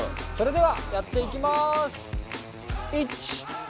それではやっていきます。